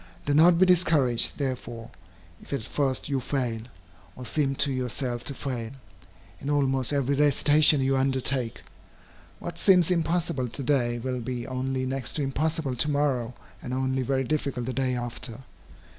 Do not be discouraged, therefore, if at first you fail, or seem to yourself to fail, in almost every recitation you undertake. What seems impossible to day, will be only next to impossible to morrow, and only very difficult the day after.